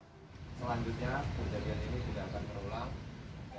selanjutnya perjalanan ini tidak akan berulang